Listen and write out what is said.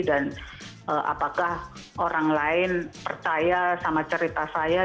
dan apakah orang lain percaya sama cerita saya